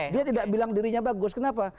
dia tidak bilang dirinya bagus kenapa